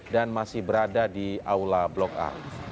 dan masih berada di aula blok a